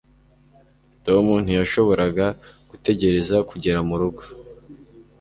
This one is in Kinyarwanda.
tom ntiyashoboraga gutegereza kugera murugo